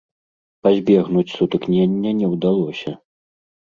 Пазбегнуць сутыкнення не ўдалося.